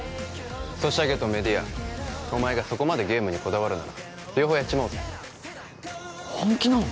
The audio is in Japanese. ソシャゲとメディアお前がそこまでゲームにこだわるなら両方やっちまおうぜ本気なの？